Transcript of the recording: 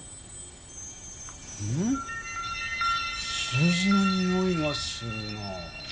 数字のにおいがするな。